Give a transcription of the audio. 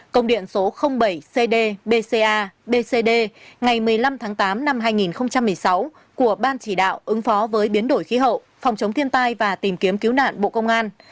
công điện số bảy cd bca bcd ngày một mươi năm tháng tám năm hai nghìn một mươi sáu của ban chỉ đạo ứng phó với biến đổi khí hậu phòng chống thiên tai và tìm kiếm cứu nạn bộ công an